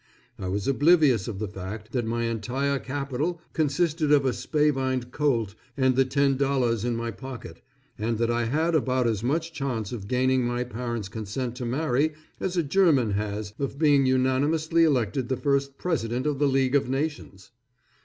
I was oblivious of the fact that my entire capital consisted of a spavined colt and the ten dollars in my pocket, and that I had about as much chance of gaining my parents' consent to marry, as a German has of being unanimously elected the first president of the League of Nations.